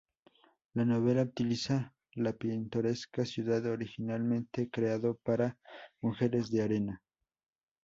La novela utiliza la pintoresca ciudad originalmente creado para "Mujeres de arena".